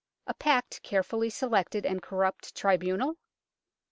A packed, carefully selected, and corrupt tribunal